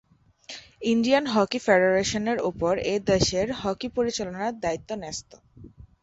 Indian hockey ফেডারেশনের উপর এদেশের হকি পরিচালনার দায়িত্ব ন্যস্ত।